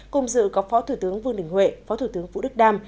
cùng dự có phó thủ tướng vương đình huệ phó thủ tướng vũ đức đam